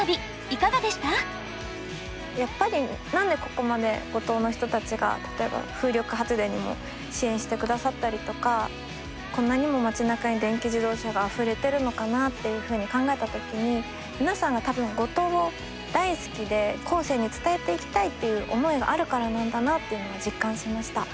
やっぱり何でここまで五島の人たちが例えば風力発電にも支援してくださったりとかこんなにも町なかに電気自動車があふれてるのかなっていうふうに考えた時に皆さんが多分五島を大好きで後世に伝えていきたいっていう思いがあるからなんだなっていうのは実感しました。